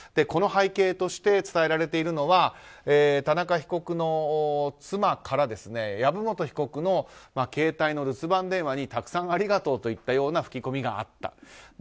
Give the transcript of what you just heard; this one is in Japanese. この背景として伝えられているのは田中被告の妻から籔本被告の携帯の留守番電話にたくさんありがとうといったような吹き込みがあった。